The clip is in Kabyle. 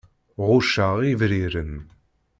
Ɣucceɣ ibriren.